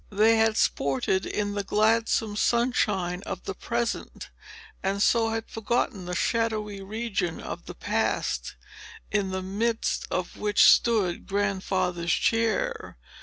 They had sported in the gladsome sunshine of the present, and so had forgotten the shadowy region of the past, in the midst of which stood Grandfather's chair.